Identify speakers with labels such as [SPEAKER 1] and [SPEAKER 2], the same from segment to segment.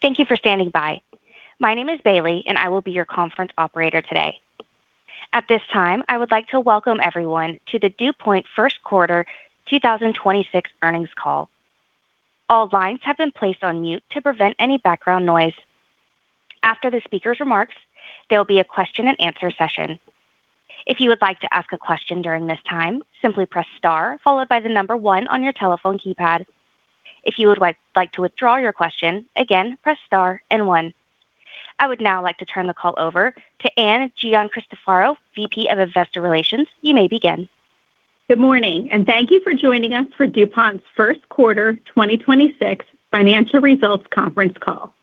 [SPEAKER 1] Thank you for standing by. My name is Bailey, and I will be your conference operator today. At this time, I would like to welcome everyone to the DuPont first quarter 2026 earnings call. All lines have been placed on mute to prevent any background noise. After the speaker's remarks, there will be a question-and-answer session. If you would like to ask a question during this time, simply press star followed by the number one on your telephone keypad. If you would like to withdraw your question, again, press star and one. I would now like to turn the call over to Ann Giancristoforo, VP of Investor Relations. You may begin.
[SPEAKER 2] Good morning and thank you for joining us for DuPont's first quarter 2026 financial results conference call.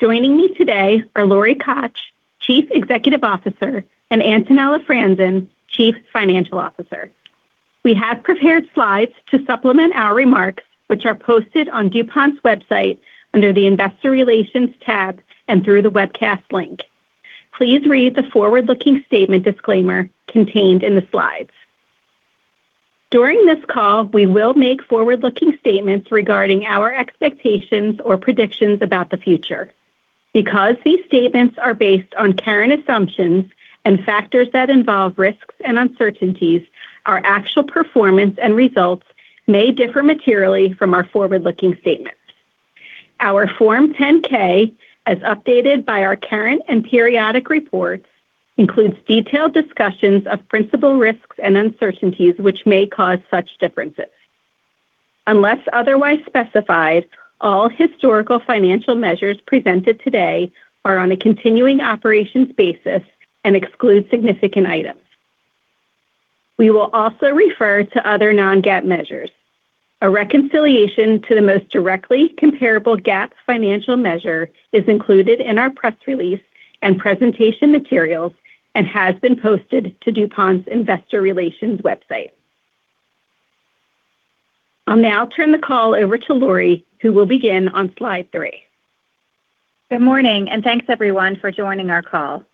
[SPEAKER 2] Joining me today are Lori Koch, Chief Executive Officer, and Antonella Franzen, Chief Financial Officer. We have prepared slides to supplement our remarks, which are posted on DuPont's website under the investor relations tab and through the webcast link. Please read the forward-looking statement disclaimer contained in the slides. During this call, we will make forward-looking statements regarding our expectations or predictions about the future. Because these statements are based on current assumptions and factors that involve risks and uncertainties, our actual performance and results may differ materially from our forward-looking statements. Our Form 10-K, as updated by our current and periodic reports, includes detailed discussions of principal risks and uncertainties which may cause such differences. Unless otherwise specified, all historical financial measures presented today are on a continuing operations basis and exclude significant items. We will also refer to other non-GAAP measures. A reconciliation to the most directly comparable GAAP financial measure is included in our press release and presentation materials and has been posted to DuPont's investor relations website. I'll now turn the call over to Lori, who will begin on slide three.
[SPEAKER 3] Good morning and thanks everyone for joining our call.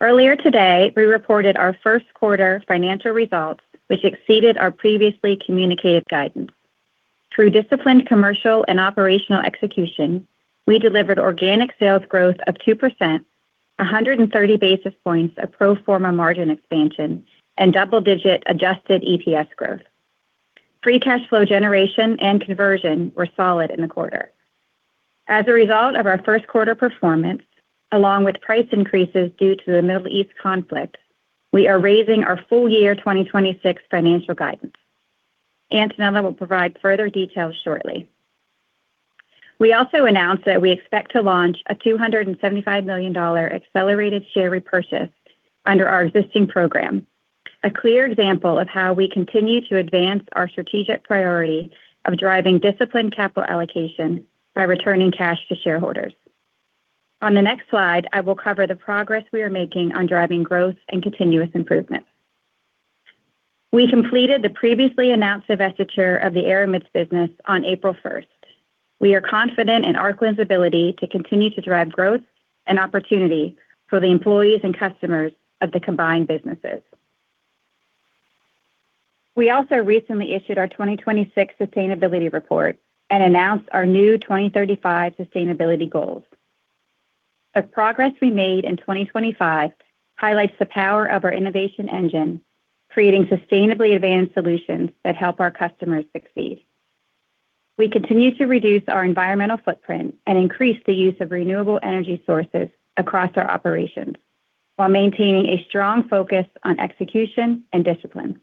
[SPEAKER 3] Earlier today, we reported our first quarter financial results, which exceeded our previously communicated guidance. Through disciplined commercial and operational execution, we delivered organic sales growth of 2%, 130 basis points of pro forma margin expansion, and double-digit adjusted EPS growth. Free cash flow generation and conversion were solid in the quarter. As a result of our first quarter performance, along with price increases due to the Middle East conflict, we are raising our full year 2026 financial guidance. Antonella will provide further details shortly. We also announced that we expect to launch a $275 million accelerated share repurchase under our existing program, a clear example of how we continue to advance our strategic priority of driving disciplined capital allocation by returning cash to shareholders. On the next slide, I will cover the progress we are making on driving growth and continuous improvement. We completed the previously announced divestiture of the Aramids business on April 1st. We are confident in Arclin's ability to continue to drive growth and opportunity for the employees and customers of the combined businesses. We also recently issued our 2026 Sustainability Report and announced our new 2035 sustainability goals. The progress we made in 2025 highlights the power of our innovation engine, creating sustainably advanced solutions that help our customers succeed. We continue to reduce our environmental footprint and increase the use of renewable energy sources across our operations while maintaining a strong focus on execution and discipline.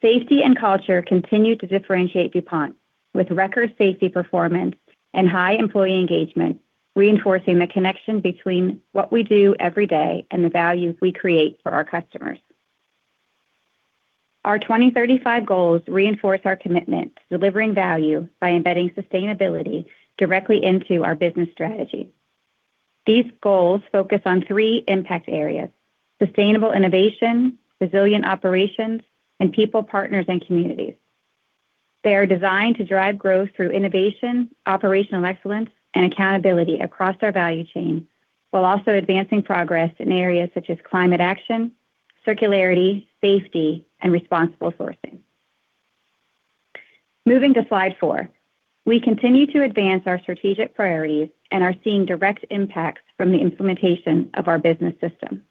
[SPEAKER 3] Safety and culture continue to differentiate DuPont with record safety performance and high employee engagement, reinforcing the connection between what we do every day and the value we create for our customers. Our 2035 goals reinforce our commitment to delivering value by embedding sustainability directly into our business strategy. These goals focus on three impact areas: sustainable innovation, resilient operations, and people, partners, and communities. They are designed to drive growth through innovation, operational excellence, and accountability across our value chain, while also advancing progress in areas such as climate action, circularity, safety, and responsible sourcing. Moving to slide four. We continue to advance our strategic priorities and are seeing direct impacts from the implementation of our business system.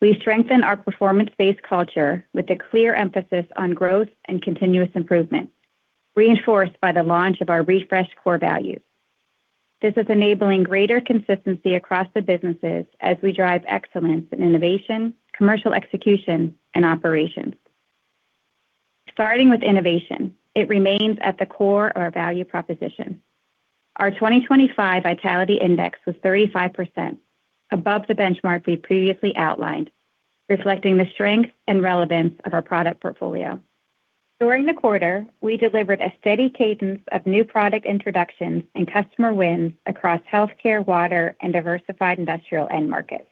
[SPEAKER 3] We've strengthened our performance-based culture with a clear emphasis on growth and continuous improvement, reinforced by the launch of our refreshed core values. This is enabling greater consistency across the businesses as we drive excellence in innovation, commercial execution, and operations. Starting with innovation, it remains at the core of our value proposition. Our 2025 vitality index was 35%, above the benchmark we previously outlined, reflecting the strength and relevance of our product portfolio. During the quarter, we delivered a steady cadence of new product introductions and customer wins across healthcare, water, and diversified industrial end markets.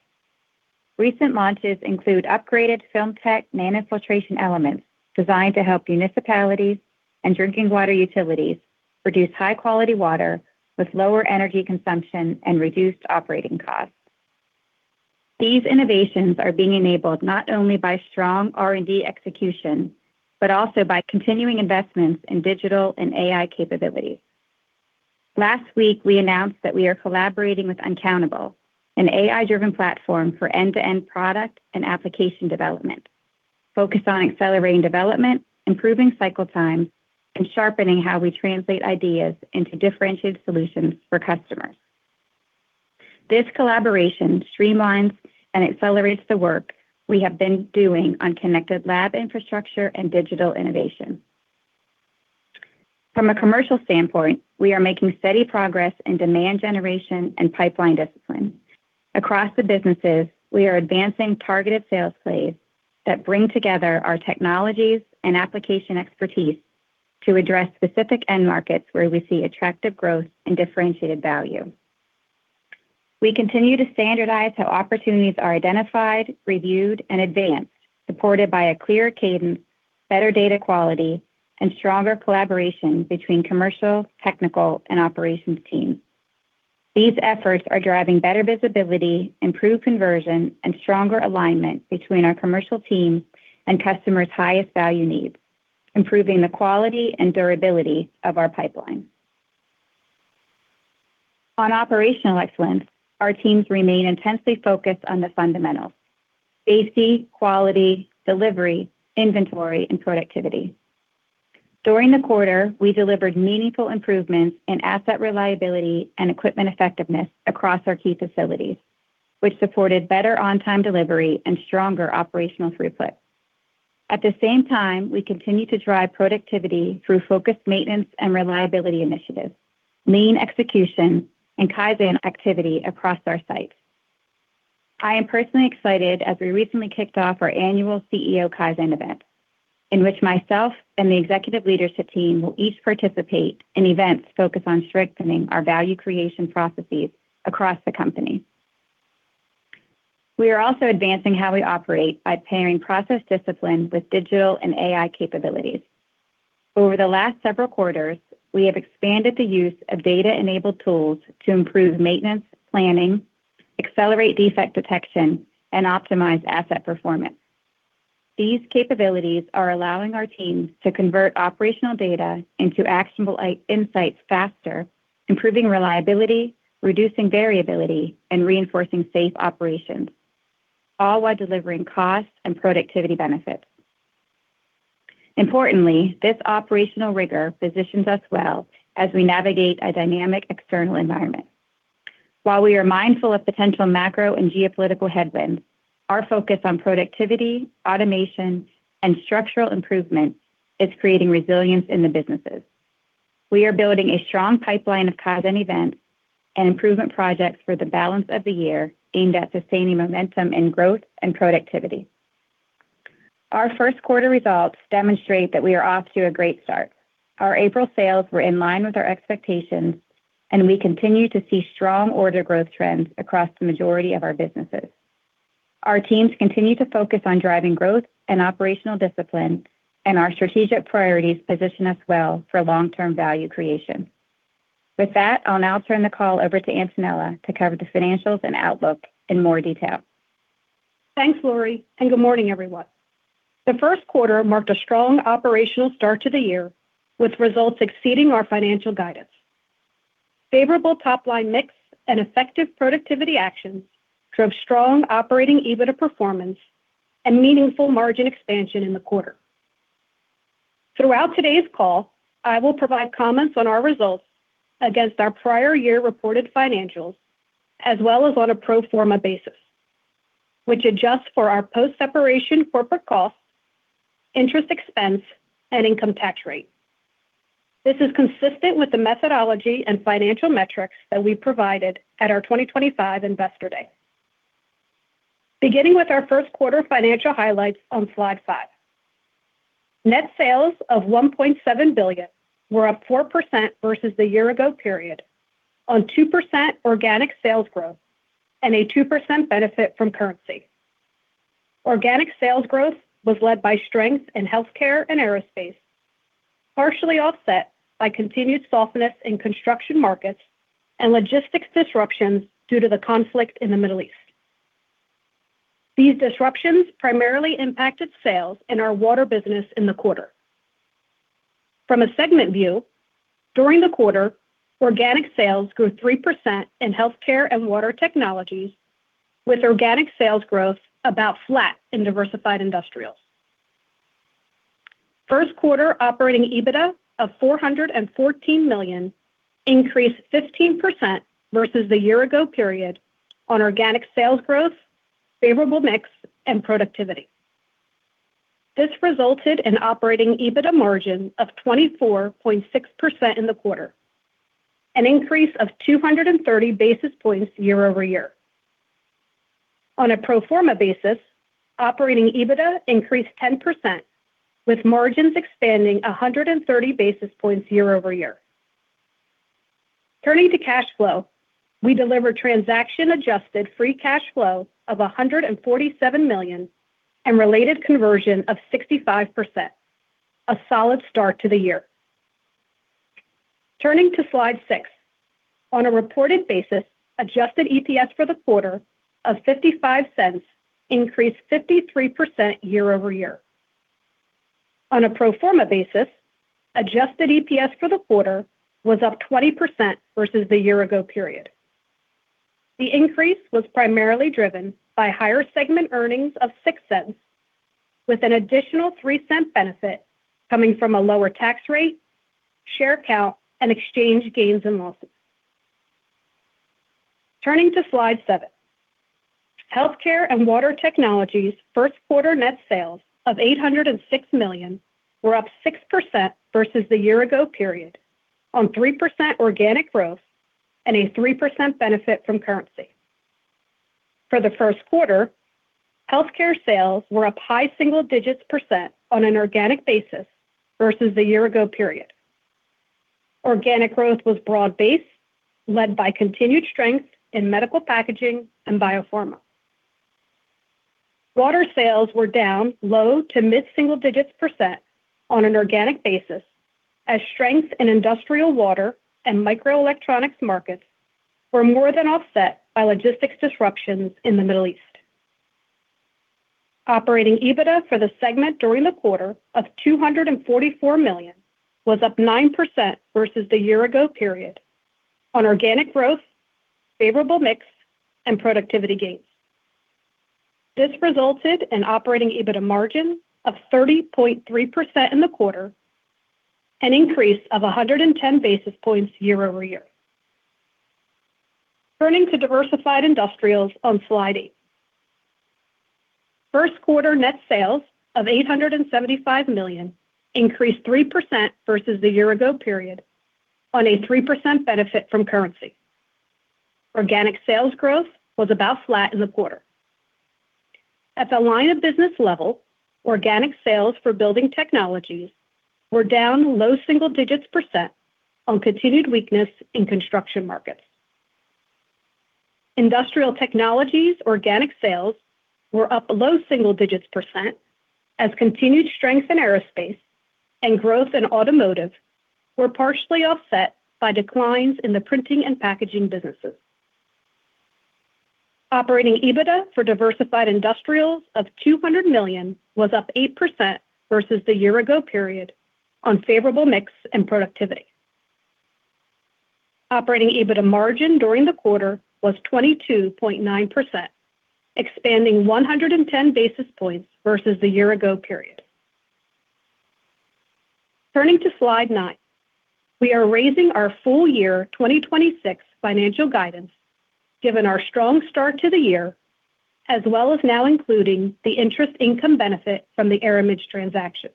[SPEAKER 3] Recent launches include upgraded FilmTec nanofiltration elements designed to help municipalities and drinking water utilities produce high-quality water with lower energy consumption and reduced operating costs. These innovations are being enabled not only by strong R&D execution, but also by continuing investments in digital and AI capabilities. Last week, we announced that we are collaborating with Uncountable, an AI-driven platform for end-to-end product and application development, focused on accelerating development, improving cycle time, and sharpening how we translate ideas into differentiated solutions for customers. This collaboration streamlines and accelerates the work we have been doing on connected lab infrastructure and digital innovation. From a commercial standpoint, we are making steady progress in demand generation and pipeline discipline. Across the businesses, we are advancing targeted sales plays that bring together our technologies and application expertise to address specific end markets where we see attractive growth and differentiated value. We continue to standardize how opportunities are identified, reviewed, and advanced, supported by a clear cadence, better data quality, and stronger collaboration between commercial, technical, and operations teams. These efforts are driving better visibility, improved conversion, and stronger alignment between our commercial team and customers' highest value needs, improving the quality and durability of our pipeline. On operational excellence, our teams remain intensely focused on the fundamentals: safety, quality, delivery, inventory, and productivity. During the quarter, we delivered meaningful improvements in asset reliability and equipment effectiveness across our key facilities, which supported better on-time delivery and stronger operational throughput. At the same time, we continue to drive productivity through focused maintenance and reliability initiatives, lean execution, and Kaizen activity across our sites. I am personally excited as we recently kicked off our annual CEO Kaizen event, in which myself and the executive leadership team will each participate in events focused on strengthening our value creation processes across the company. We are also advancing how we operate by pairing process discipline with digital and AI capabilities. Over the last several quarters, we have expanded the use of data-enabled tools to improve maintenance, planning, accelerate defect detection, and optimize asset performance. These capabilities are allowing our teams to convert operational data into actionable insights faster, improving reliability, reducing variability, and reinforcing safe operations, all while delivering cost and productivity benefits. Importantly, this operational rigor positions us well as we navigate a dynamic external environment. While we are mindful of potential macro and geopolitical headwinds, our focus on productivity, automation, and structural improvement is creating resilience in the businesses. We are building a strong pipeline of Kaizen events and improvement projects for the balance of the year aimed at sustaining momentum in growth and productivity. Our first quarter results demonstrate that we are off to a great start. Our April sales were in line with our expectations, and we continue to see strong order growth trends across the majority of our businesses. Our teams continue to focus on driving growth and operational discipline, and our strategic priorities position us well for long-term value creation. With that, I'll now turn the call over to Antonella to cover the financials and outlook in more detail.
[SPEAKER 4] Thanks, Lori and good morning, everyone. The first quarter marked a strong operational start to the year, with results exceeding our financial guidance. Favorable topline mix and effective productivity actions drove strong operating EBITDA performance and meaningful margin expansion in the quarter. Throughout today's call, I will provide comments on our results against our prior year reported financials as well as on a pro forma basis, which adjusts for our post-separation corporate costs, interest expense, and income tax rate. This is consistent with the methodology and financial metrics that we provided at our 2025 Investor Day. Beginning with our first quarter financial highlights on slide five. Net sales of $1.7 billion were up 4% versus the year-ago period on 2% organic sales growth and a 2% benefit from currency. Organic sales growth was led by strength in healthcare and aerospace, partially offset by continued softness in construction markets and logistics disruptions due to the conflict in the Middle East. These disruptions primarily impacted sales in our water business in the quarter. From a segment view, during the quarter, organic sales grew 3% in Healthcare & Water Technologies, with organic sales growth about flat in Diversified Industrials. First quarter operating EBITDA of $414 million increased 15% versus the year-ago period on organic sales growth, favorable mix, and productivity. This resulted in operating EBITDA margin of 24.6% in the quarter, an increase of 230 basis points year-over-year. On a pro forma basis, operating EBITDA increased 10%, with margins expanding 130 basis points year-over-year. Turning to cash flow, we delivered transaction adjusted free cash flow of $147 million and related conversion of 65%, a solid start to the year. Turning to slide six. On a reported basis, adjusted EPS for the quarter of $0.55 increased 53% year-over-year. On a pro forma basis, adjusted EPS for the quarter was up 20% versus the year-ago period. The increase was primarily driven by higher segment earnings of $0.06, with an additional $0.03 benefit coming from a lower tax rate, share count, and exchange gains and losses. Turning to slide seven. Healthcare & Water Technologies first quarter net sales of $806 million were up 6% versus the year-ago period on 3% organic growth and a 3% benefit from currency. For the first quarter, healthcare sales were up high single digits percent on an organic basis versus the year-ago period. Organic growth was broad-based, led by continued strength in medical packaging and biopharma. Water sales were down low to mid-single digits percent on an organic basis as strength in industrial water and microelectronics markets were more than offset by logistics disruptions in the Middle East. Operating EBITDA for the segment during the quarter of $244 million was up 9% versus the year-ago period on organic growth, favorable mix, and productivity gains. This resulted in operating EBITDA margin of 30.3% in the quarter, an increase of 110 basis points year-over-year. Turning to Diversified Industrials on slide eight. First quarter net sales of $875 million increased 3% versus the year-ago period on a 3% benefit from currency. Organic sales growth was about flat in the quarter. At the line of business level, organic sales for building technologies were down low single digits percent on continued weakness in construction markets. Industrial technologies organic sales were up low single digits percent as continued strength in aerospace and growth in automotive were partially offset by declines in the printing and packaging businesses. Operating EBITDA for Diversified Industrials of $200 million was up 8% versus the year-ago period on favorable mix and productivity. Operating EBITDA margin during the quarter was 22.9%, expanding 110 basis points versus the year-ago period. Turning to slide nine. We are raising our full year 2026 financial guidance given our strong start to the year, as well as now including the interest income benefit from the Aramids transaction.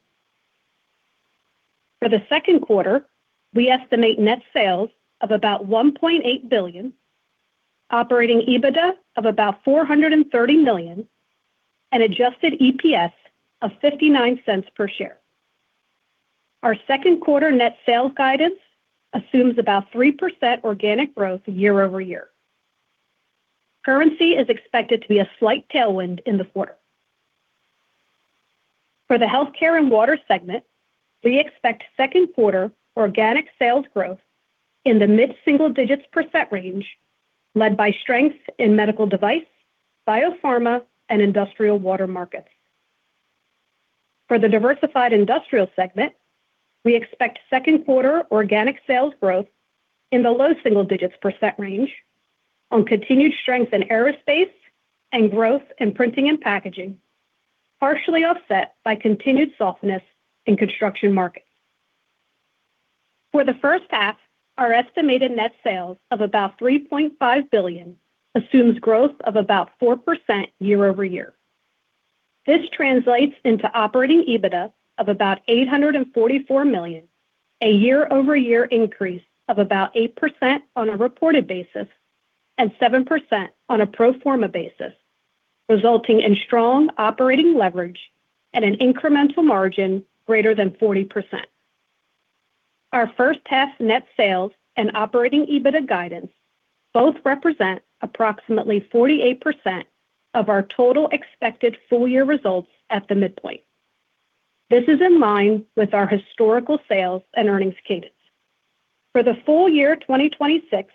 [SPEAKER 4] For the second quarter, we estimate net sales of about $1.8 billion, operating EBITDA of about $430 million, and adjusted EPS of $0.59 per share. Our second quarter net sales guidance assumes about 3% organic growth year-over-year. Currency is expected to be a slight tailwind in the quarter. For the Healthcare & Water segment, we expect second quarter organic sales growth in the mid-single digits percent range, led by strength in medical device, biopharma, and industrial water markets. For the Diversified Industrials segment, we expect second quarter organic sales growth in the low single digits percent range on continued strength in aerospace and growth in printing and packaging, partially offset by continued softness in construction markets. For the first half, our estimated net sales of about $3.5 billion assumes growth of about 4% year-over-year. This translates into operating EBITDA of about $844 million, a year-over-year increase of about 8% on a reported basis and 7% on a pro forma basis, resulting in strong operating leverage at an incremental margin greater than 40%. Our first half net sales and operating EBITDA guidance both represent approximately 48% of our total expected full year results at the midpoint. This is in line with our historical sales and earnings cadence. For the full year 2026,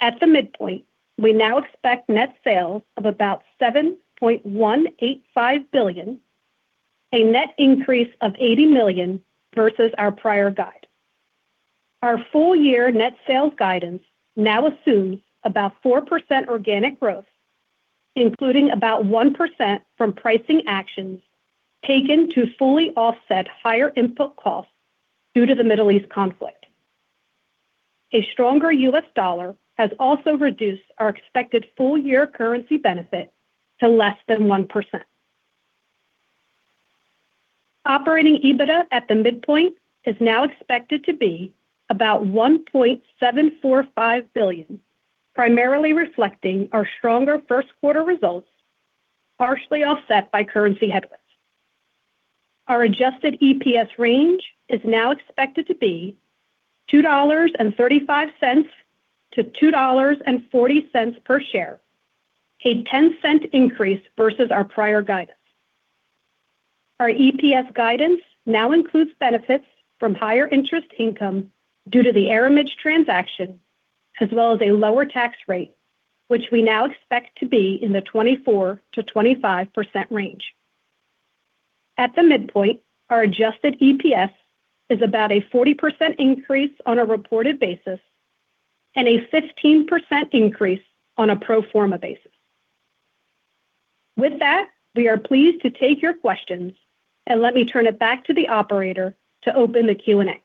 [SPEAKER 4] at the midpoint, we now expect net sales of about $7.185 billion, a net increase of $80 million versus our prior guide. Our full year net sales guidance now assumes about 4% organic growth, including about 1% from pricing actions taken to fully offset higher input costs due to the Middle East conflict. A stronger U.S. dollar has also reduced our expected full year currency benefit to less than 1%. Operating EBITDA at the midpoint is now expected to be about $1.745 billion, primarily reflecting our stronger first quarter results, partially offset by currency headwinds. Our adjusted EPS range is now expected to be $2.35-$2.40 per share, a $0.10 increase versus our prior guidance. Our EPS guidance now includes benefits from higher interest income due to the Aramids transaction, as well as a lower tax rate, which we now expect to be in the 24%-25% range. At the midpoint, our adjusted EPS is about a 40% increase on a reported basis and a 15% increase on a pro forma basis. With that, we are pleased to take your questions, and let me turn it back to the operator to open the Q&A.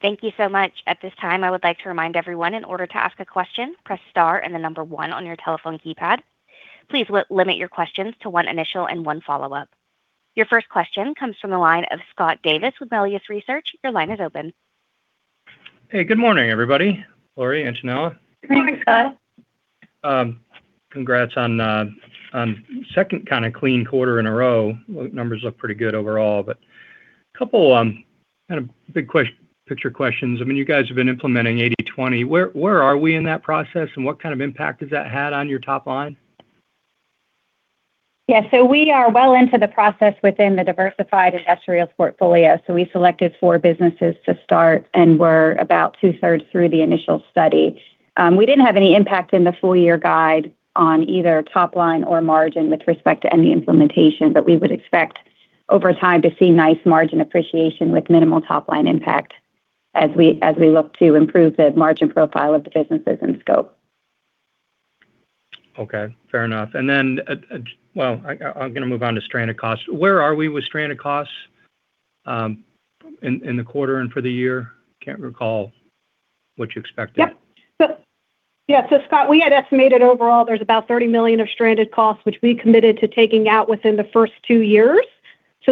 [SPEAKER 1] Thank you so much. At this time, I would like to remind everyone in order to ask a question, press star and the number one on your telephone keypad. Please limit your questions to one initial and one follow-up. Your first question comes from the line of Scott Davis with Melius Research. Your line is open.
[SPEAKER 5] Hey, good morning, everybody. Lori, Antonella.
[SPEAKER 3] Good morning, Scott.
[SPEAKER 5] Congrats on second kind of clean quarter in a row. Numbers look pretty good overall, but couple, kind of big picture questions. I mean, you guys have been implementing 80/20. Where are we in that process, and what kind of impact has that had on your topline?
[SPEAKER 3] Yeah, so, we are well into the process within the Diversified Industrials portfolio. We selected four businesses to start, and we're about two-thirds through the initial study. We didn't have any impact in the full year guide on either topline or margin with respect to any implementation, but we would expect over time to see nice margin appreciation with minimal topline impact as we look to improve the margin profile of the businesses in scope.
[SPEAKER 5] Okay. Fair enough. Then, well, I'm gonna move on to stranded costs. Where are we with stranded costs in the quarter and for the year? Can't recall what you expected.
[SPEAKER 4] Yeah. So, Scott, we had estimated overall there's about $30 million of stranded costs, which we committed to taking out within the first two years.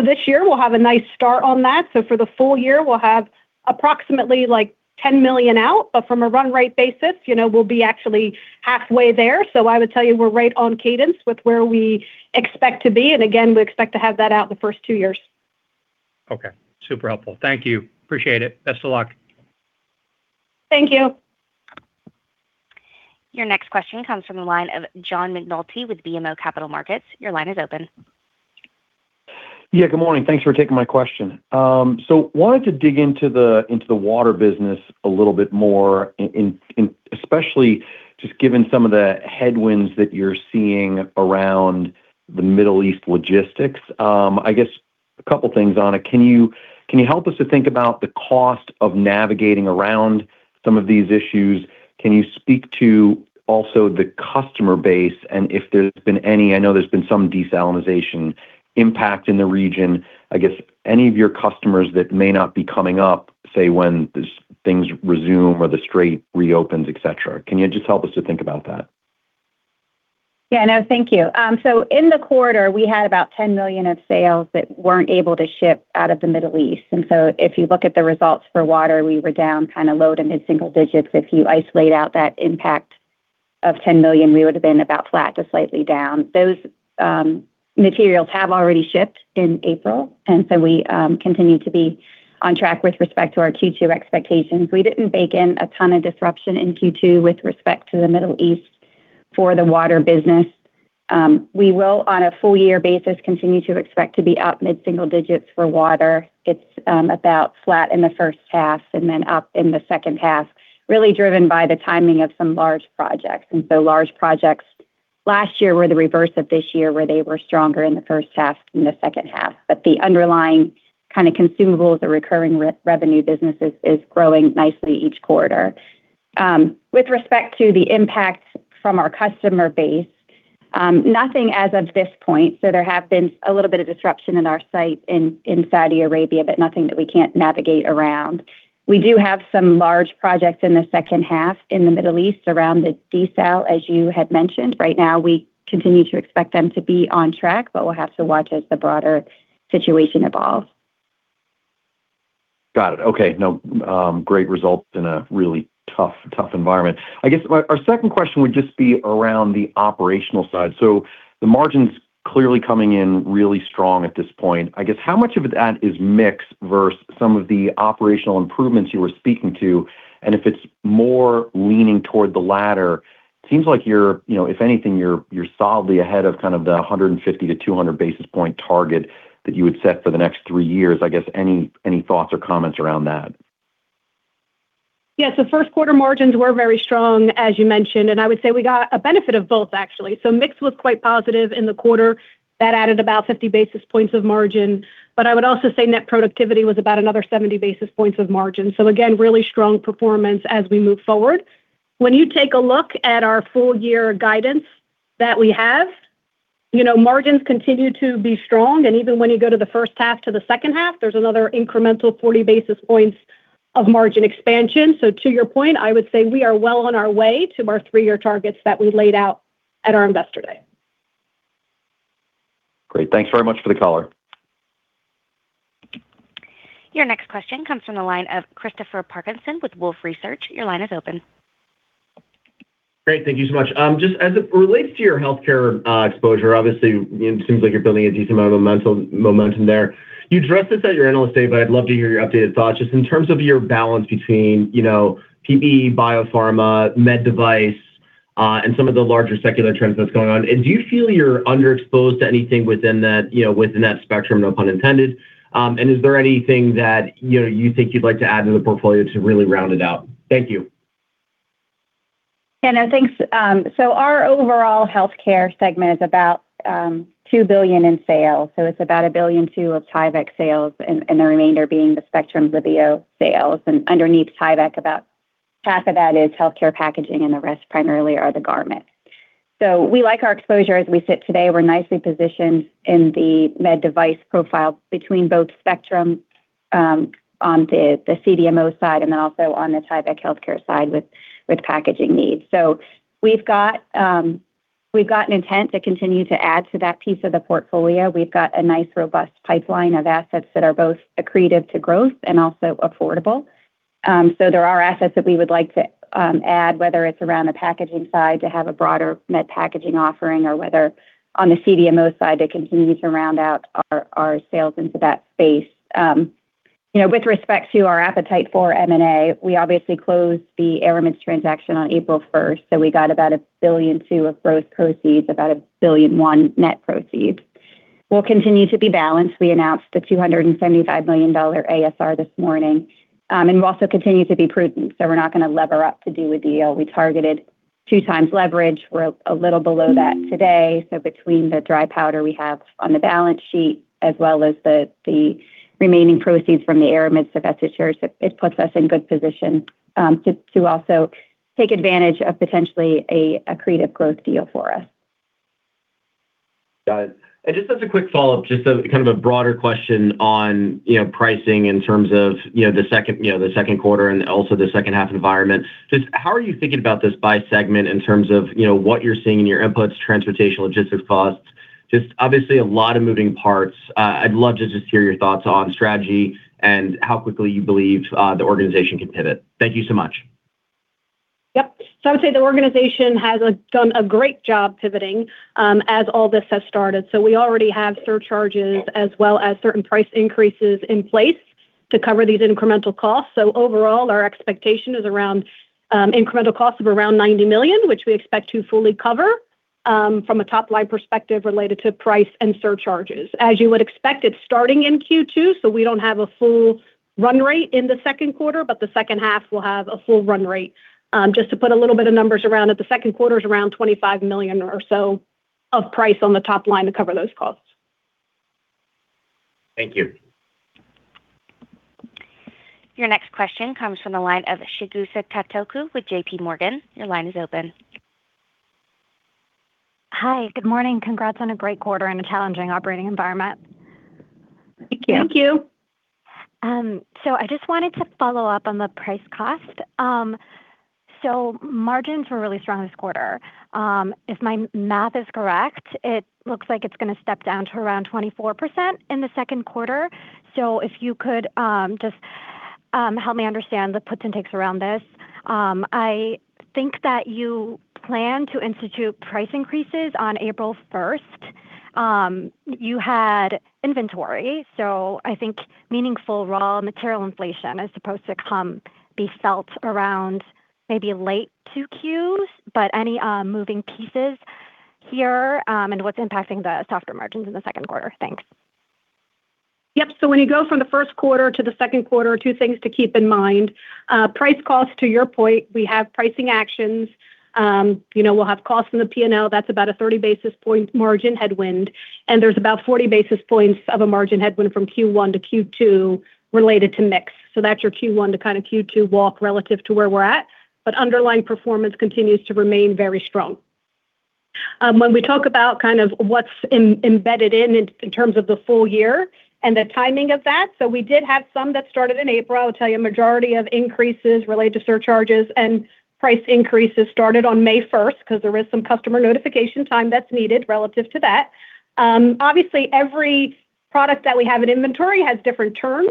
[SPEAKER 4] This year, we'll have a nice start on that. For the full year, we'll have approximately like $10 million out, but from a run rate basis, you know, we'll be actually halfway there. I would tell you we're right on cadence with where we expect to be. Again, we expect to have that out in the first two years.
[SPEAKER 5] Okay. Super helpful. Thank you. Appreciate it. Best of luck.
[SPEAKER 4] Thank you.
[SPEAKER 1] Your next question comes from the line of John McNulty with BMO Capital Markets. Your line is open.
[SPEAKER 6] Yeah, good morning. Thanks for taking my question. So, wanted to dig into the water business a little bit more, especially, just given some of the headwinds that you're seeing around the Middle East logistics. I guess, a couple things on it. Can you help us to think about the cost of navigating around some of these issues? Can you speak to also the customer base and if there's been any, I know there's been some desalinization impact in the region, I guess any of your customers that may not be coming up, say when these things resume or the strait reopens, et cetera? Can you just help us to think about that?
[SPEAKER 3] Yeah. Thank you. In the quarter, we had about $10 million of sales that weren't able to ship out of the Middle East. If you look at the results for water, we were down kind of low to mid-single digits. If you isolate out that impact of $10 million, we would've been about flat to slightly down. Those materials have already shipped in April, and so, we continue to be on track with respect to our Q2 expectations. We didn't bake in a ton of disruption in Q2 with respect to the Middle East for the water business. We will, on a full year basis, continue to expect to be up mid-single digits for water. It's about flat in the first half and then up in the second half, really driven by the timing of some large projects. Large projects last year were the reverse of this year, where they were stronger in the first half than the second half. The underlying kind of consumables, the recurring revenue businesses is growing nicely each quarter. With respect to the impact from our customer base, nothing as of this point. There have been a little bit of disruption in our site in Saudi Arabia, but nothing that we can't navigate around. We do have some large projects in the second half in the Middle East around the desal, as you had mentioned. Right now, we continue to expect them to be on track, but we'll have to watch as the broader situation evolves.
[SPEAKER 6] Got it. Okay. No, great results in a really tough environment. I guess my, our second question would just be around the operational side. The margins clearly coming in really strong at this point. I guess, how much of that is mix versus some of the operational improvements you were speaking to? And if it's more leaning toward the latter, seems like you're, you know, if anything, you're solidly ahead of kind of the 150 basis point to 200 basis point target that you had set for the next three years. I guess, any thoughts or comments around that?
[SPEAKER 4] Yeah. The first quarter margins were very strong, as you mentioned, and I would say we got a benefit of both actually. Mix was quite positive in the quarter. That added about 50 basis points of margin. But I would also say net productivity was about another 70 basis points of margin. Again, really strong performance as we move forward. When you take a look at our full year guidance that we have, you know, margins continue to be strong, and even when you go to the first half to the second half, there's another incremental 40 basis points of margin expansion. So, to your point, I would say we are well on our way to our three-year targets that we laid out at our Investor Day.
[SPEAKER 6] Great. Thanks very much for the color.
[SPEAKER 1] Your next question comes from the line of Christopher Parkinson with Wolfe Research. Your line is open.
[SPEAKER 7] Great, thank you so much. Just as it relates to your healthcare exposure, obviously it seems like you're building a decent amount of momentum there. You addressed this at your Analyst Day, but I'd love to hear your updated thoughts just in terms of your balance between, you know, [PB], biopharma, med device, and some of the larger secular trends that's going on. Do you feel you're underexposed to anything within that, you know, within that Spectrum, no pun intended? Is there anything that, you know, you think you'd like to add to the portfolio to really round it out? Thank you.
[SPEAKER 3] Yeah. No, thanks. So, our overall Healthcare segment is about $2 billion in sales. It's about $1.2 billion of Tyvek sales and the remainder being the Spectrum, Liveo sales. Underneath Tyvek, about half of that is healthcare packaging and the rest primarily are the garment. We like our exposure as we sit today. We're nicely positioned in the med device profile between both Spectrum on the CDMO side and then also on the Tyvek healthcare side with packaging needs. We've got an intent to continue to add to that piece of the portfolio. We've got a nice robust pipeline of assets that are both accretive to growth and also affordable. There are assets that we would like to add, whether it's around the packaging side to have a broader med packaging offering, or whether on the CDMO side to continue to round out our sales into that space. You know, with respect to our appetite for M&A, we obviously closed the Aramids transaction on April 1st. We got about $1.2 billion of gross proceeds, about $1.1 billion net proceeds. We'll continue to be balanced. We announced the $275 million ASR this morning. We'll also continue to be prudent, so we're not gonna lever up to do a deal. We targeted 2x leverage. We're a little below that today. Between the dry powder we have on the balance sheet as well as the remaining proceeds from the Aramids divested shares, it puts us in good position to also take advantage of potentially an accretive growth deal for us.
[SPEAKER 7] Got it. Just as a quick follow-up, just a kind of a broader question on, you know, pricing in terms of, you know, the second, you know, the second quarter and also the second half environment. Just how are you thinking about this by segment in terms of, you know, what you're seeing in your inputs, transportation, logistics costs? Just obviously a lot of moving parts. I'd love to just hear your thoughts on strategy and how quickly you believe the organization can pivot. Thank you so much.
[SPEAKER 4] Yep. I would say the organization has done a great job pivoting as all this has started. We already have surcharges as well as certain price increases in place to cover these incremental costs. Overall, our expectation is around incremental cost of around $90 million, which we expect to fully cover from a topline perspective related to price and surcharges. As you would expect, it's starting in Q2, so we don't have a full run rate in the second quarter, but the second half will have a full run rate. Just to put a little bit of numbers around it, the second quarter is around $25 million or so of price on the topline to cover those costs.
[SPEAKER 7] Thank you.
[SPEAKER 1] Your next question comes from the line of Chigusa Katoku with JPMorgan. Your line is open.
[SPEAKER 8] Hi, good morning. Congrats on a great quarter and a challenging operating environment.
[SPEAKER 3] Thank you.
[SPEAKER 4] Thank you.
[SPEAKER 8] So, I just wanted to follow up on the price cost. Margins were really strong this quarter. If my math is correct, it looks like it's gonna step down to around 24% in the second quarter. If you could just help me understand the puts and takes around this. I think that you plan to institute price increases on April 1st. You had inventory, so I think meaningful raw material inflation is supposed to come be felt around maybe late 2Qs, but any moving pieces here, and what's impacting the softer margins in the second quarter? Thanks.
[SPEAKER 4] Yep. When you go from the first quarter to the second quarter, two things to keep in mind. Price cost, to your point, we have pricing actions. You know, we'll have costs in the P&L. That's about a 30-basis point margin headwind, and there's about 40 basis points of a margin headwind from Q1 to Q2 related to mix. That's your Q1 to kind of Q2 walk relative to where we're at. But underlying performance continues to remain very strong. When we talk about kind of what's embedded in terms of the full year and the timing of that, so we did have some that started in April. I'll tell you, a majority of increases related to surcharges and price increases started on May 1st because there is some customer notification time that's needed relative to that. Obviously, every product that we have in inventory has different terms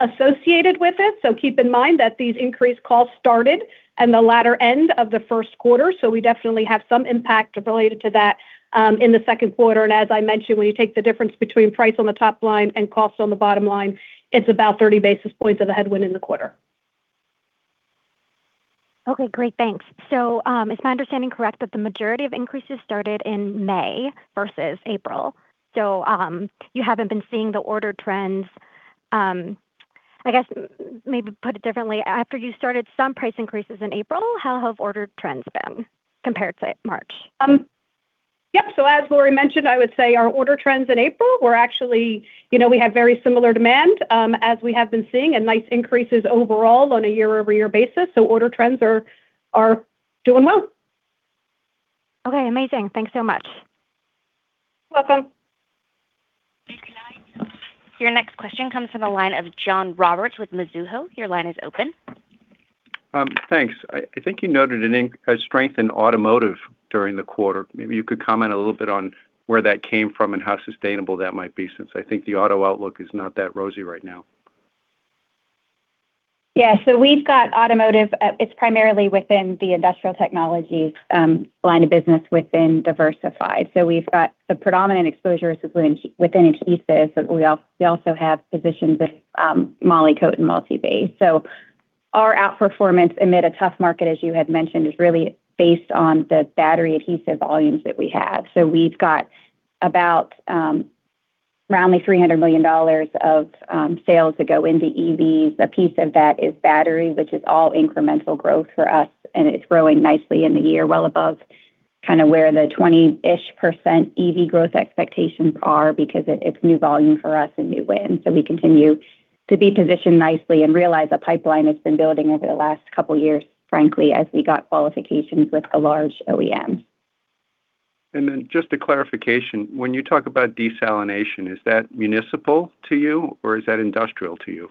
[SPEAKER 4] associated with it. So, keep in mind that these increased costs started in the latter end of the first quarter. We definitely have some impact related to that in the second quarter. As I mentioned, when you take the difference between price on the topline and cost on the bottom line, it's about 30 basis points of the headwind in the quarter.
[SPEAKER 8] Okay. Great. Thanks. Is my understanding correct that the majority of increases started in May versus April? So, you haven't been seeing the order trends, I guess, maybe put it differently, after you started some price increases in April, how have order trends been compared to, say, March?
[SPEAKER 4] Yep. As Lori mentioned, I would say our order trends in April were actually, you know, we have very similar demand as we have been seeing, and nice increases overall on a year-over-year basis. So, order trends are doing well.
[SPEAKER 8] Okay. Amazing. Thanks so much.
[SPEAKER 4] You're welcome.
[SPEAKER 1] Your next question comes from the line of John Roberts with Mizuho. Your line is open.
[SPEAKER 9] Thanks. I think you noted a strength in automotive during the quarter. Maybe you could comment a little bit on where that came from and how sustainable that might be since I think the auto outlook is not that rosy right now.
[SPEAKER 3] Yeah. So, we've got automotive. It's primarily within the industrial technology's line of business within Diversified. We've got the predominant exposure within adhesives, but we also have positions with MOLYKOTE and MULTIBASE. So, our outperformance amid a tough market, as you had mentioned, is really based on the battery adhesive volumes that we have. We've got about roundly $300 million of sales that go into EVs. A piece of that is battery, which is all incremental growth for us, and it's growing nicely in the year, well above kinda where the 20-ish% EV growth expectations are because it's new volume for us and new win. We continue to be positioned nicely and realize the pipeline has been building over the last couple years, frankly, as we got qualifications with a large OEM
[SPEAKER 9] Just a clarification. When you talk about desalination, is that municipal to you or is that industrial to you?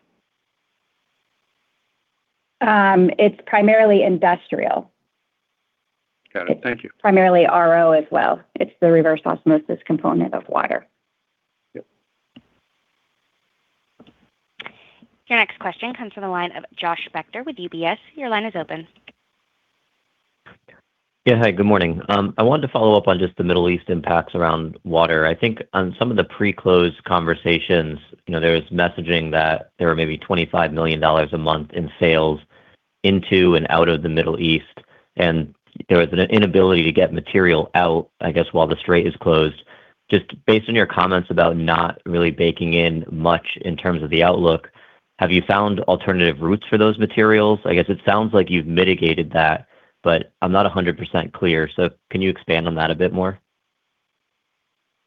[SPEAKER 3] It's primarily industrial.
[SPEAKER 9] Got it. Thank you.
[SPEAKER 3] It's primarily RO as well. It's the reverse osmosis component of water.
[SPEAKER 1] Your next question comes from the line of Josh Spector with UBS. Your line is open.
[SPEAKER 10] Hi, good morning. I wanted to follow up on just the Middle East impacts around water. I think on some of the pre-close conversations, you know, there was messaging that there were maybe $25 million a month in sales into and out of the Middle East, and there was an inability to get material out, I guess, while the strait is closed. Just based on your comments about not really baking in much in terms of the outlook, have you found alternative routes for those materials? I guess it sounds like you've mitigated that, but I'm not 100% clear, so can you expand on that a bit more?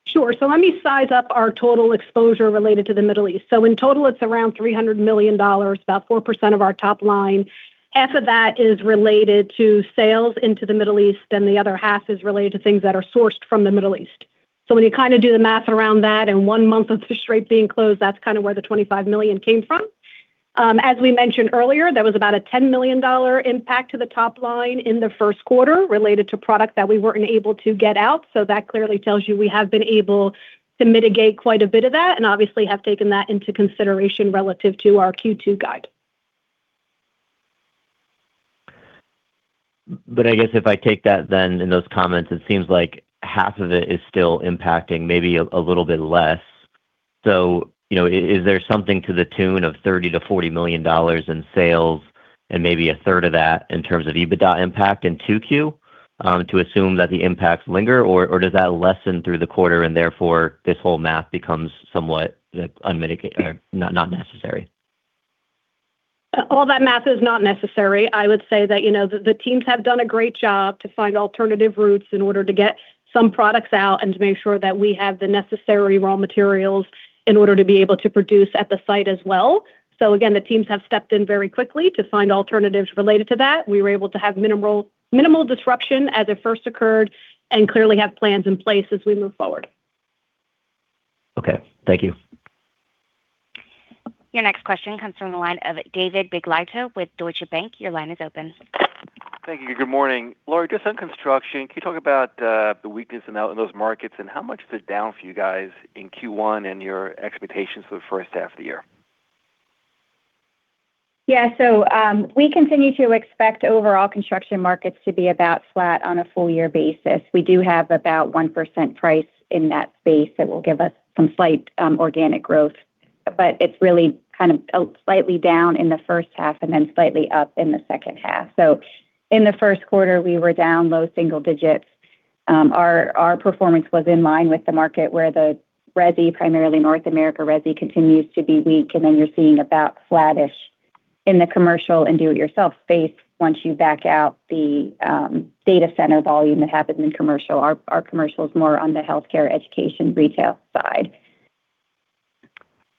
[SPEAKER 4] Sure. Let me size up our total exposure related to the Middle East. In total, it's around $300 million, about 4% of our topline. Half of that is related to sales into the Middle East, and the other half is related to things that are sourced from the Middle East. When you kinda do the math around that and one month of the strait being closed, that's kinda where the $25 million came from. As we mentioned earlier, there was about a $10 million impact to the topline in the first quarter related to product that we weren't able to get out. That clearly tells you we have been able to mitigate quite a bit of that, and obviously have taken that into consideration relative to our Q2 guide.
[SPEAKER 10] I guess if I take that then in those comments, it seems like half of it is still impacting maybe a little bit less. So, you know, is there something to the tune of $30 million-$40 million in sales and maybe 1/3 of that in terms of EBITDA impact in 2Q, to assume that the impacts linger? Or does that lessen through the quarter, and therefore, this whole math becomes somewhat unmitigated or not necessary?
[SPEAKER 4] All that math is not necessary. I would say that, you know, the teams have done a great job to find alternative routes in order to get some products out and to make sure that we have the necessary raw materials in order to be able to produce at the site as well. Again, the teams have stepped in very quickly to find alternatives related to that. We were able to have minimal disruption as it first occurred, and clearly have plans in place as we move forward.
[SPEAKER 10] Okay. Thank you.
[SPEAKER 1] Your next question comes from the line of David Begleiter with Deutsche Bank. Your line is open.
[SPEAKER 11] Thank you. Good morning. Lori, just on construction, can you talk about the weakness in those markets and how much is it down for you guys in Q1 and your expectations for the first half of the year?
[SPEAKER 3] Yeah. We continue to expect overall construction markets to be about flat on a full year basis. We do have about 1% price in that space that will give us some slight organic growth. But it's really kind of out slightly down in the first half and then slightly up in the second half. In the first quarter, we were down low single digits. Our performance was in line with the market where the resi, primarily North America resi continues to be weak, and then you're seeing about flattish in the commercial and do-it-yourself space once you back out the data center volume that happens in commercial. Our commercial is more on the healthcare, education, retail side.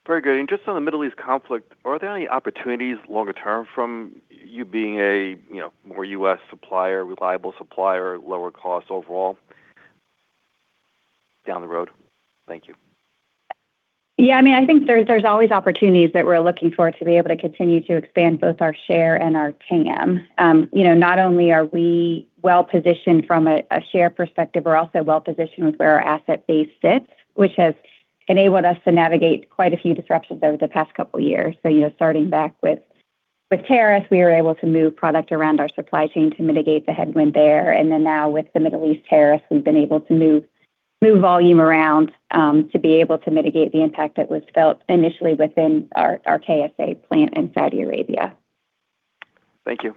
[SPEAKER 11] Very good. Just on the Middle East conflict, are there any opportunities longer term from you being a, you know, more U.S. supplier, reliable supplier, lower cost overall down the road? Thank you.
[SPEAKER 3] Yeah, I mean, I think there's always opportunities that we're looking for to be able to continue to expand both our share and our TAM. You know, not only are we well-positioned from a share perspective, we're also well-positioned with where our asset base sits, which has enabled us to navigate quite a few disruptions over the past couple years. You know, starting back with tariffs, we were able to move product around our supply chain to mitigate the headwind there. Now, with the Middle East tariffs, we've been able to move volume around to be able to mitigate the impact that was felt initially within our KSA plant in Saudi Arabia.
[SPEAKER 11] Thank you.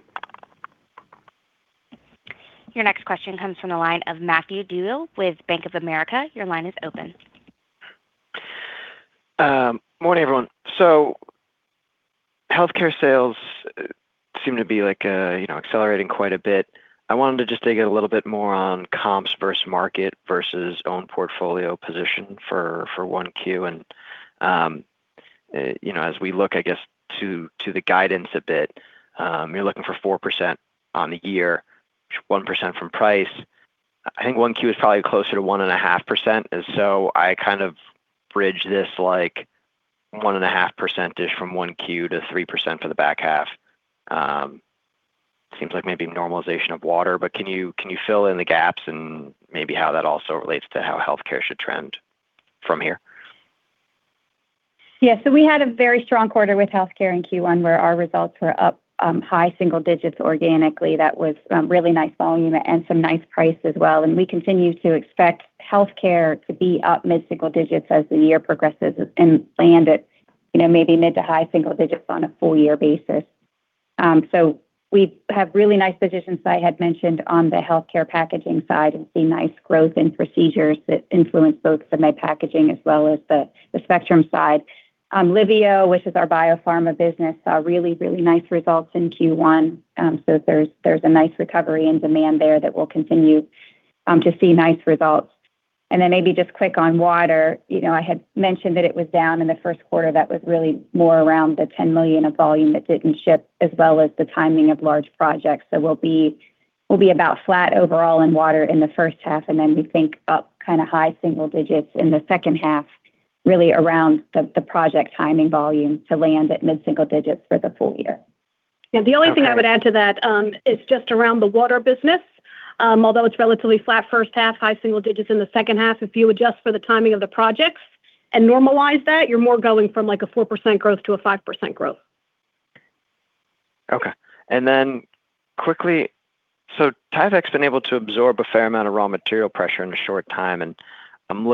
[SPEAKER 1] Your next question comes from the line of Matthew DeYoe with Bank of America. Your line is open.
[SPEAKER 12] Morning, everyone. Healthcare sales seem to be like, you know, accelerating quite a bit. I wanted to just dig in a little bit more on comps versus market versus own portfolio position for 1Q. You know, as we look, I guess, to the guidance a bit, you're looking for 4% on the year, 1% from price. I think 1Q is probably closer to 1.5%, so I kind of bridge this like 1.5 percentage from 1Q to 3% for the back half. Seems like maybe normalization of water, but can you fill in the gaps and maybe how that also relates to how healthcare should trend from here?
[SPEAKER 3] Yeah. We had a very strong quarter with healthcare in Q1, where our results were up high single digits organically. That was really nice volume and some nice price as well. We continue to expect healthcare to be up mid-single digits as the year progresses and land at, you know, maybe mid to high single digits on a full year basis. We have really nice positions that I had mentioned on the healthcare packaging side and see nice growth in procedures that influence both the May packaging as well as the Spectrum side. Liveo, which is our biopharma business, really, really nice results in Q1. There's a nice recovery in demand there that we'll continue to see nice results. And then, maybe just quick on water. You know, I had mentioned that it was down in the first quarter. That was really more around the 10 million of volume that didn't ship as well as the timing of large projects. We'll be about flat overall in water in the first half, and then we think up kinda high single digits in the second half, really around the project timing volume to land at mid-single digits for the full year.
[SPEAKER 12] Yeah. Okay.
[SPEAKER 4] The only thing I would add to that, is just around the water business. Although it's relatively flat first half, high single digits in the second half, if you adjust for the timing of the projects and normalize that, you're more going from, like, a 4% growth to a 5% growth.
[SPEAKER 12] Okay. Then, quickly, Tyvek's been able to absorb a fair amount of raw material pressure in a short time. I'm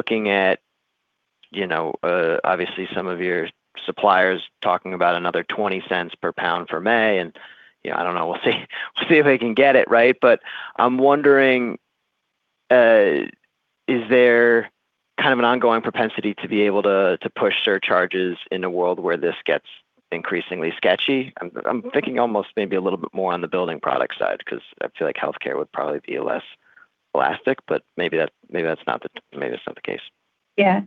[SPEAKER 12] looking at, you know, obviously some of your suppliers talking about another $0.20/lb for May. You know, I don't know, we'll see if they can get it, right? But I'm wondering, is there kind of an ongoing propensity to be able to push surcharges in a world where this gets increasingly sketchy? I'm thinking almost maybe a little bit more on the building products side, 'cause I feel like healthcare would probably be less elastic, but maybe that's not the case.
[SPEAKER 3] Yeah.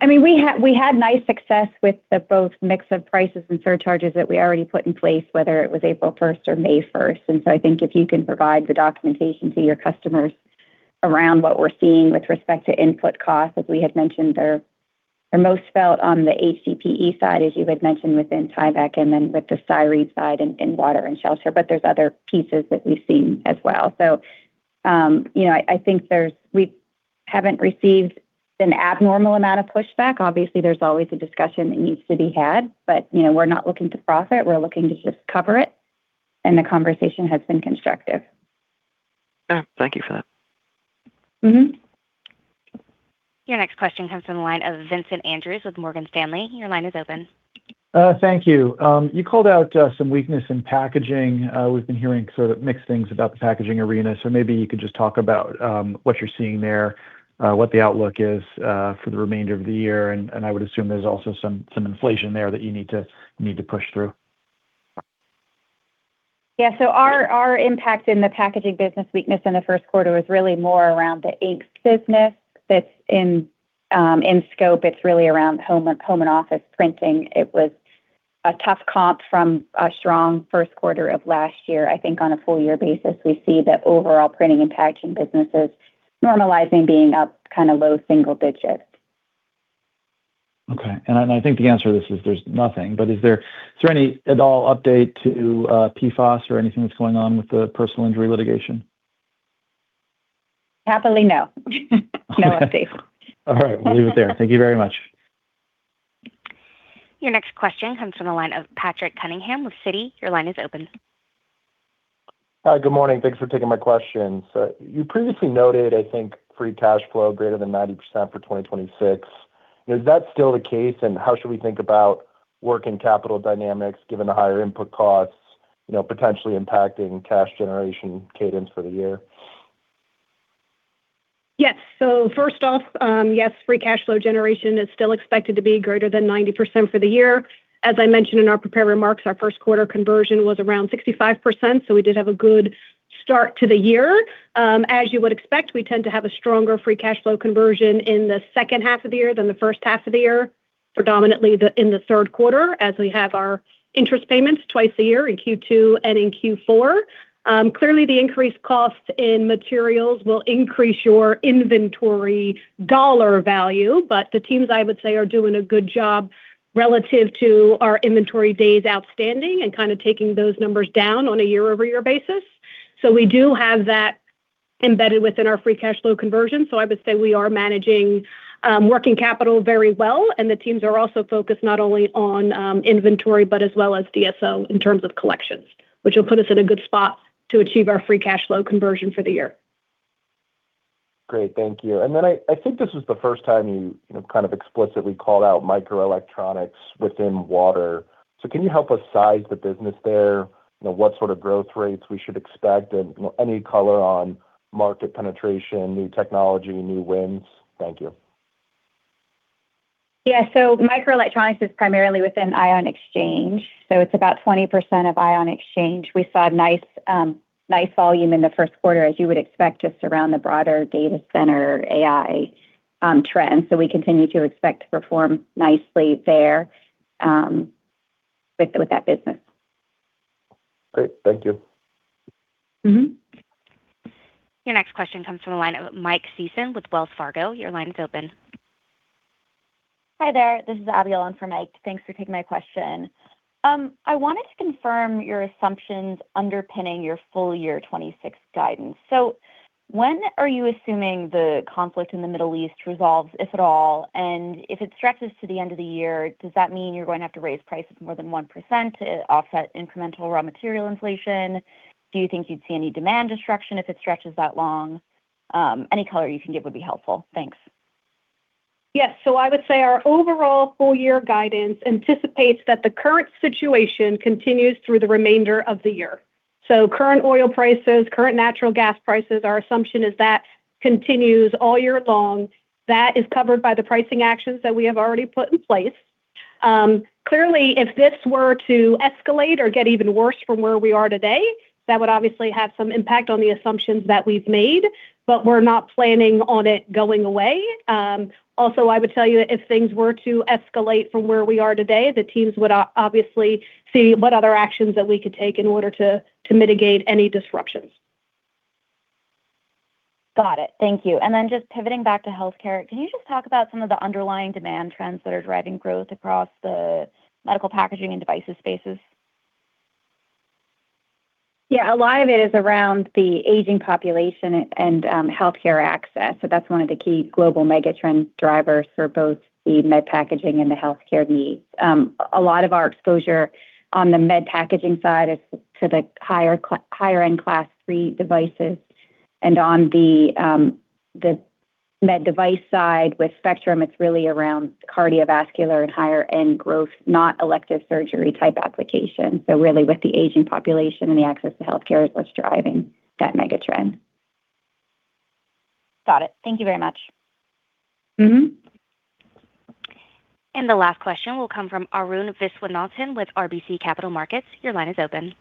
[SPEAKER 3] I mean, we had nice success with the both mix of prices and surcharges that we already put in place, whether it was April 1st or May 1st. I think, if you can provide the documentation to your customers around what we're seeing with respect to input costs, as we had mentioned, they're most felt on the HDPE side, as you had mentioned, within Tyvek and then with the styrene side in water and shelter, but there's other pieces that we've seen as well. So, you know, I think, there's, we haven't received an abnormal amount of pushback. Obviously, there's always a discussion that needs to be had, but, you know, we're not looking to profit. We're looking to just cover it, and the conversation has been constructive.
[SPEAKER 12] Oh, thank you for that.
[SPEAKER 1] Your next question comes from the line of Vincent Andrews with Morgan Stanley. Your line is open.
[SPEAKER 13] Thank you. You called out some weakness in packaging. We've been hearing sort of mixed things about the packaging arena, so maybe you could just talk about what you're seeing there, what the outlook is for the remainder of the year, and I would assume there's also some inflation there that you need to push through?
[SPEAKER 3] Yeah. So, our impact in the packaging business weakness in the first quarter was really more around the inks business that's in scope. It's really around home and office printing. It was a tough comp from a strong first quarter of last year. I think on a full year basis, we see the overall printing and packaging businesses normalizing being up kinda low single digits.
[SPEAKER 13] Okay. I think the answer to this is there's nothing, but is there any at all update to PFAS or anything that's going on with the personal injury litigation?
[SPEAKER 3] Happily, no.
[SPEAKER 13] Okay.
[SPEAKER 3] No updates.
[SPEAKER 13] All right. We'll leave it there. Thank you very much.
[SPEAKER 1] Your next question comes from the line of Patrick Cunningham with Citi. Your line is open.
[SPEAKER 14] Hi, good morning. Thanks for taking my questions. You previously noted, I think, free cash flow greater than 90% for 2026. Is that still the case, and how should we think about working capital dynamics given the higher input costs, you know, potentially impacting cash generation cadence for the year?
[SPEAKER 4] First off, yes, free cash flow generation is still expected to be greater than 90% for the year. As I mentioned in our prepared remarks, our first quarter conversion was around 65%, so we did have a good start to the year. As you would expect, we tend to have a stronger free cash flow conversion in the second half of the year than the first half of the year, predominantly in the third quarter, as we have our interest payments twice a year in Q2 and in Q4. Clearly, the increased cost in materials will increase your inventory dollar value, but the teams, I would say, are doing a good job relative to our inventory days outstanding and kind of taking those numbers down on a year-over-year basis. We do have that embedded within our free cash flow conversion. I would say we are managing working capital very well, and the teams are also focused not only on inventory, but as well as DSO in terms of collections, which will put us in a good spot to achieve our free cash flow conversion for the year.
[SPEAKER 14] Great. Thank you. I think this was the first time you know, kind of explicitly called out microelectronics within water. Can you help us size the business there? You know, what sort of growth rates we should expect, and, you know, any color on market penetration, new technology, new wins? Thank you.
[SPEAKER 3] Yeah. Microelectronics is primarily within ion exchange, so it's about 20% of ion exchange. We saw nice volume in the first quarter, as you would expect, just around the broader data center AI trend. We continue to expect to perform nicely there with that business.
[SPEAKER 14] Great. Thank you.
[SPEAKER 1] Your next question comes from the line of Mike Sison with Wells Fargo. Your line is open.
[SPEAKER 15] Hi there. This is [Abby] on for Mike. Thanks for taking my question. I wanted to confirm your assumptions underpinning your full year 2026 guidance. When are you assuming the conflict in the Middle East resolves, if at all? If it stretches to the end of the year, does that mean you're going to have to raise prices more than 1% to offset incremental raw material inflation? Do you think you'd see any demand destruction if it stretches that long? Any color you can give would be helpful. Thanks.
[SPEAKER 4] Yes. I would say our overall full year guidance anticipates that the current situation continues through the remainder of the year. So, current oil prices, current natural gas prices, our assumption is that continues all year long. That is covered by the pricing actions that we have already put in place. Clearly, if this were to escalate or get even worse from where we are today, that would obviously have some impact on the assumptions that we've made, but we're not planning on it going away. Also, I would tell you that if things were to escalate from where we are today, the teams would obviously see what other actions that we could take in order to mitigate any disruptions.
[SPEAKER 15] Got it. Thank you. Just pivoting back to healthcare, can you just talk about some of the underlying demand trends that are driving growth across the medical packaging and devices spaces?
[SPEAKER 3] A lot of it is around the aging population and healthcare access. That's one of the key global mega trends drivers for both the med packaging and the healthcare needs. A lot of our exposure on the med packaging side is to the higher end Class III devices. On the med device side with Spectrum, it's really around cardiovascular and higher end growth, not elective surgery type application. Really with the aging population and the access to healthcare is what's driving that mega trend.
[SPEAKER 15] Got it. Thank you very much.
[SPEAKER 1] And the last question will come from Arun Viswanathan with RBC Capital Markets. Your line is open.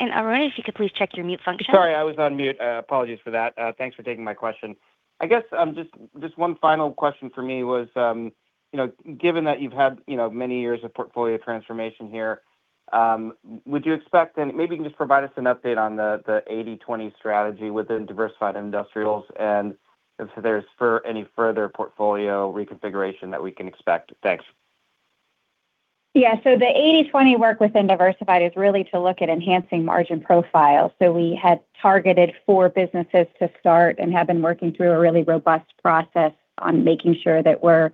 [SPEAKER 1] Arun, if you could please check your mute function.
[SPEAKER 16] Sorry, I was on mute. Apologies for that. Thanks for taking my question. I guess, just one final question for me was, you know, given that you've had, you know, many years of portfolio transformation here, would you expect and maybe you can just provide us an update on the 80/20 strategy within Diversified Industrials and if there's still any further portfolio reconfiguration that we can expect? Thanks.
[SPEAKER 3] Yeah. So, the 80/20 work within Diversified is really to look at enhancing margin profile. We had targeted four businesses to start and have been working through a really robust process on making sure that we're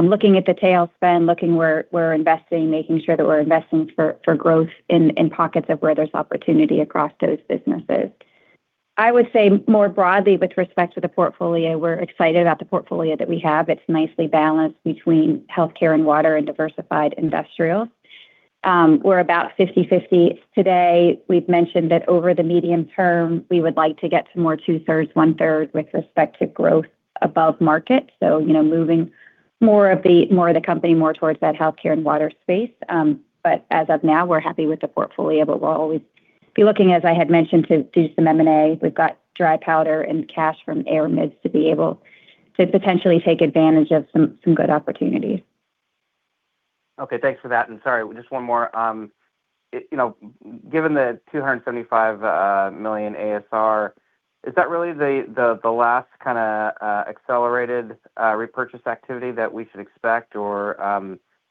[SPEAKER 3] looking at the tail spend, looking where we're investing, making sure that we're investing for growth in pockets of where there's opportunity across those businesses. I would say more broadly with respect to the portfolio, we're excited about the portfolio that we have. It's nicely balanced between Healthcare & Water and Diversified Industrials. We're about 50/50 today. We've mentioned that over the medium term, we would like to get to more 2/3, 1/3 with respect to growth above market. You know, moving more of the company more towards that Healthcare & Water space. But as of now, we're happy with the portfolio, but we'll always be looking, as I had mentioned, to do some M&A. We've got dry powder and cash from Aramids to be able to potentially take advantage of some good opportunities.
[SPEAKER 16] Okay, thanks for that. And sorry, just one more. You know, given the $275 million ASR, is that really the last kinda accelerated repurchase activity that we should expect? Or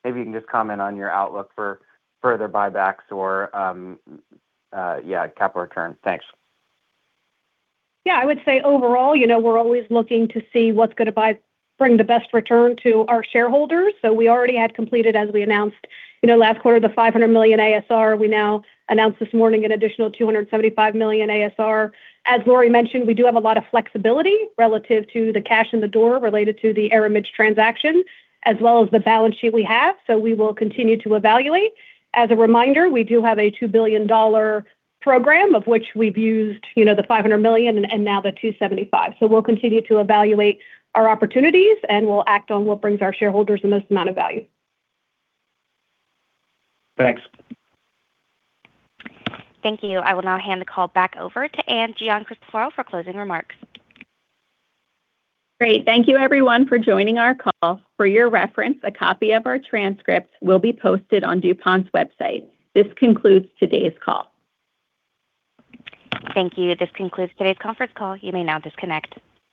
[SPEAKER 16] maybe you can just comment on your outlook for further buybacks or yeah, capital return. Thanks.
[SPEAKER 4] Yeah, I would say overall, you know, we're always looking to see what's gonna bring the best return to our shareholders. We already had completed, as we announced, you know, last quarter, the $500 million ASR. We now announced this morning an additional $275 million ASR. As Lori mentioned, we do have a lot of flexibility relative to the cash in the door related to the Aramids transaction, as well as the balance sheet we have, that we will continue to evaluate. As a reminder, we do have a $2 billion program of which we've used, you know, the $500 million and now the $275 million. We'll continue to evaluate our opportunities, and we'll act on what brings our shareholders the most amount of value.
[SPEAKER 16] Thanks.
[SPEAKER 1] Thank you. I will now hand the call back over to Ann Giancristoforo for closing remarks.
[SPEAKER 2] Great. Thank you everyone for joining our call. For your reference, a copy of our transcript will be posted on DuPont's website. This concludes today's call.
[SPEAKER 1] Thank you. This concludes today's conference call. You may now disconnect.